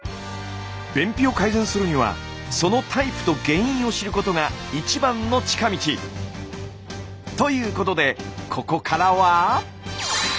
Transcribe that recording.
便秘を改善するにはそのタイプと原因を知ることが一番の近道。ということでここからは。